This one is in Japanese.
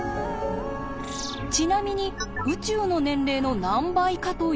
ちなみに宇宙の年齢の何倍かというと。